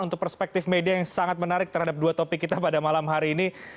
untuk perspektif media yang sangat menarik terhadap dua topik kita pada malam hari ini